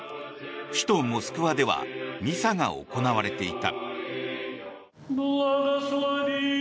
首都モスクワではミサが行われていた。